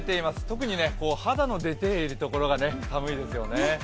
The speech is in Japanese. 特に肌の出ているところが寒いですよね。